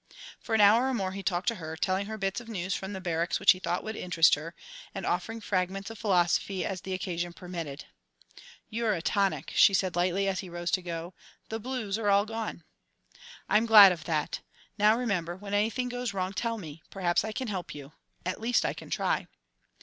For an hour or more he talked to her, telling her bits of news from the barracks which he thought would interest her, and offering fragments of philosophy as the occasion permitted. "You're a tonic," she said lightly, as he rose to go; "the blues are all gone." "I'm glad of that. Now remember, when anything goes wrong, tell me. Perhaps I can help you at least I can try."